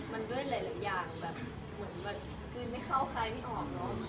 มันด้วยหลายอย่างอย่างแบบคือไม่เข้าใครไม่ออกเนอะ